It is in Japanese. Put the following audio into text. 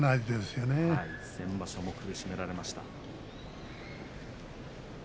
先場所も苦しめられました。